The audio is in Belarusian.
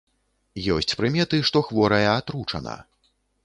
Ёсць прыметы, што хворая атручана.